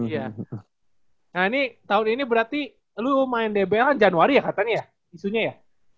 nah ini tahun ini berarti lu main dbl kan januari ya katanya ya isunya ya